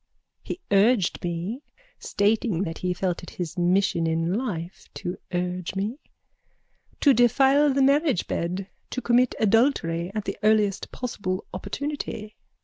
He urged me (Stating that he felt it his mission in life to urge me.) to defile the marriage bed, to commit adultery at the earliest possible opportunity.